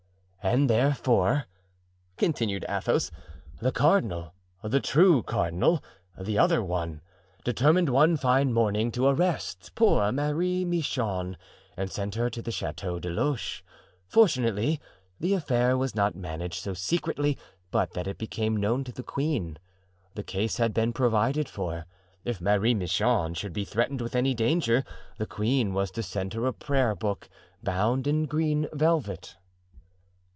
"And therefore," continued Athos, "the cardinal—the true cardinal, the other one—determined one fine morning to arrest poor Marie Michon and send her to the Chateau de Loches. Fortunately the affair was not managed so secretly but that it became known to the queen. The case had been provided for: if Marie Michon should be threatened with any danger the queen was to send her a prayer book bound in green velvet."